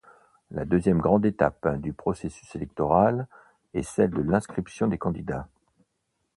La deuxième grande étape du processus électoral est celle de l'inscription des candidats.